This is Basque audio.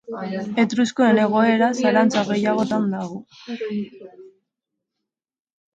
Etruskoen egoera zalantza gehiagotan dago.